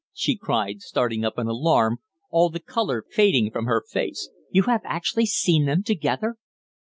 she cried, starting up in alarm, all the colour fading from her face. "You have actually seen them together?"